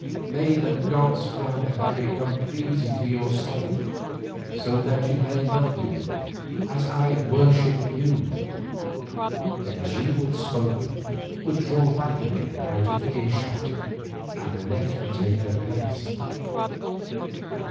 May the good gods grant that I become pleasing to your sight, so that you may love me as I worship you." Then she who had spoken would draw back again out of earshot, and the next would take her place.